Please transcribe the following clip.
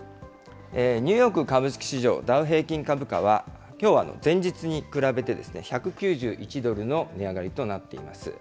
ニューヨーク株式市場、ダウ平均株価は、きょうは前日に比べて１９１ドルの値上がりとなっています。